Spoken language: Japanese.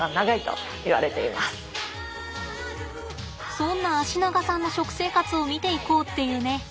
そんな脚長さんの食生活を見ていこうっていうね。